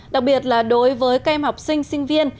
đặc biệt là đối với các em học sinh sinh viên